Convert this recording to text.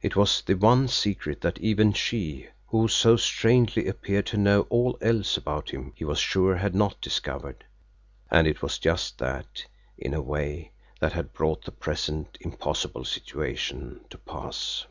It was the one secret that even she, who so strangely appeared to know all else about him, he was sure, had not discovered and it was just that, in a way, that had brought the present impossible situation to pass.